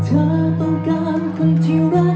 ถ้าเธอต้องกันคนที่รักเธอ